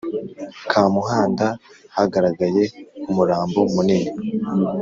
kamuhanda hagaragaye umurambo munini